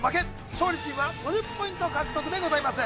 勝利チームは５０ポイント獲得でございます